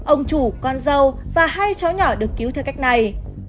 ông chủ con dâu và hai cháu nhỏ được cứu theo cách này